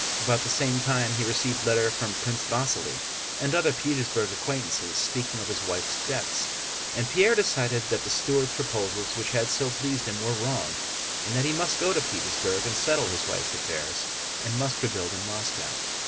About the same time he received letters from Prince Vasíli and other Petersburg acquaintances speaking of his wife's debts. And Pierre decided that the steward's proposals which had so pleased him were wrong and that he must go to Petersburg and settle his wife's affairs and must rebuild in Moscow.